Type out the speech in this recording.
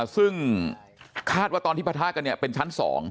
ซึ่งคาดว่าตอนที่ปะทะกันเป็นชั้น๒